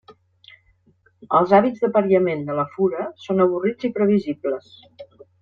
Els hàbits d'apariament de la fura són avorrits i previsibles.